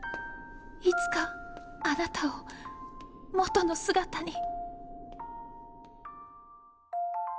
いつかあなたを元の姿に。